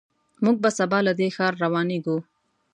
موږ به سبا له دې ښار روانېږو.